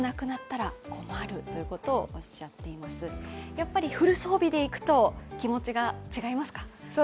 やっぱりフル装備でいくと気持ちが違いますか？